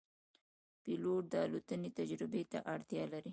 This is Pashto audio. پیلوټ د الوتنې تجربې ته اړتیا لري.